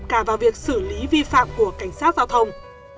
cả vào việc xử lý vi phạm của cảnh sát giao thông